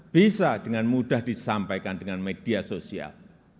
bisa dengan mudah disampaikan dengan media sosial